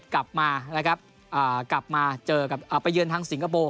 กลับมานะครับกลับมาเจอกับไปเยือนทางสิงคโปร์